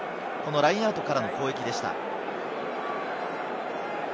ラインアウトからの攻撃でした。